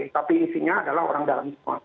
tapi isinya adalah orang dalam sport